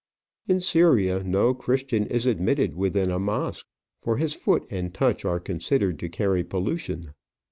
In Syria no Christian is admitted within a mosque, for his foot and touch are considered to carry pollution.